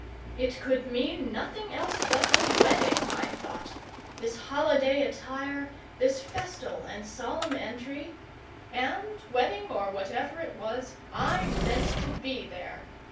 It could mean nothing else but a wedding, I thought, this holiday attire, this festal and solemn entry; and, wedding or whatever it was, I meant to be there.